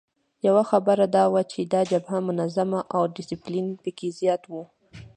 یوه خبره دا وه چې دا جبهه منظمه او ډسپلین پکې زیات وو.